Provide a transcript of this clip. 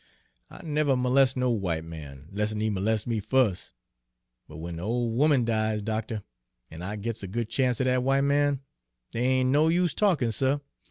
I never moles's no w'ite man, 'less 'n he moles's me fus'. But w'en de ole 'oman dies, doctuh, an' I gits a good chance at dat w'ite man, dere ain' no use talkin', suh!